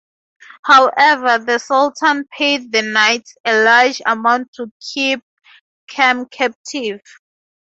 However, the sultan paid the Knights a large amount to keep Cem captive.